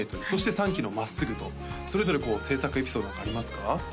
そして３期の「まっすぐ」とそれぞれこう制作エピソードなんかありますか？